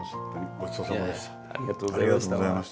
ごちそうさまでした。